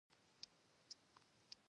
چټک انټرنیټ کار اسانوي.